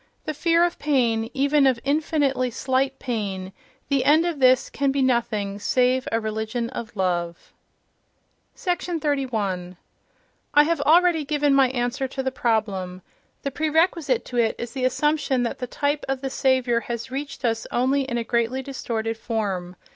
—The fear of pain, even of infinitely slight pain—the end of this can be nothing save a religion of love.... 31. I have already given my answer to the problem. The prerequisite to it is the assumption that the type of the Saviour has reached us only in a greatly distorted form.